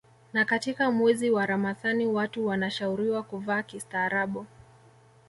Na katika mwezi wa Ramadhani watu wanashauriwa kuvaa kistaarabu